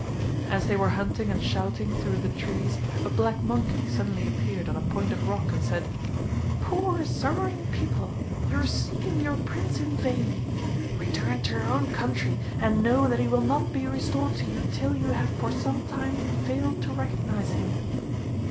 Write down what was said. As they were hunting and shouting through the trees a black monkey suddenly appeared on a point of rock and said: 'Poor sorrowing people, you are seeking your Prince in vain. Return to your own country and know that he will not be restored to you till you have for some time failed to recognise him.